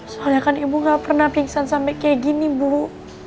soalnya kan ibu gak pernah pingsan sampai kayak gini bu